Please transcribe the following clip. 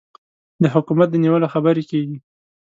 د حکومت د نیولو خبرې کېږي.